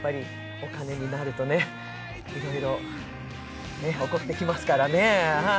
お金になるとね、いろいろね、起こってきますからね。